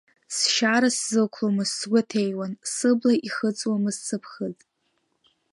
Сшьара сзықәломызт сгәаҭеиуан, сыбла ихыҵуамызт сыԥхыӡ.